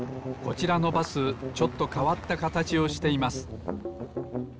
こちらのバスちょっとかわったかたちをしています。